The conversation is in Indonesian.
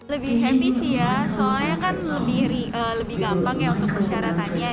lebih heavy sih ya soalnya kan lebih gampang ya untuk persyaratannya